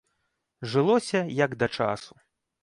Жылося як да часу.